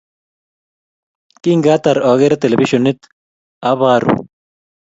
Kingatar ageere televishionit, abaru